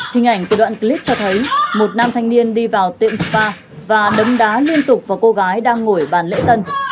hình ảnh từ đoạn clip cho thấy một nam thanh niên đi vào tiệm spa và đấm đá liên tục vào cô gái đang ngồi bàn lễ tân